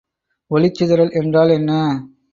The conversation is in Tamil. ஒளிச்சிதறல் என்றால் என்ன?